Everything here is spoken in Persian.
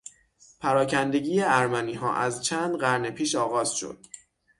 پراکندگی ارمنیها از چند قرن پیش آغاز شد.